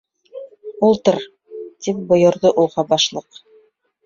- Ултыр! - тип бойорҙо уға Башлыҡ.